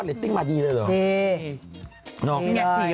จริงส่านเล่นดี